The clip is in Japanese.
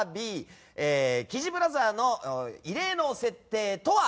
キジブラザーの異例の設定とは？